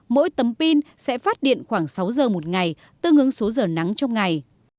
mỗi tấm pin sẽ phát điện khoảng sáu giờ một ngày tương ứng số giờ nắng trong ngày